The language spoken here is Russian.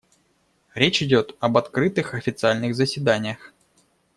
Речь идет об открытых официальных заседаниях.